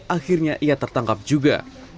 akhirnya ia tertangkap juga